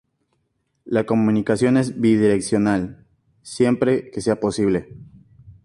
La comunicación es bidireccional, siempre que sea posible.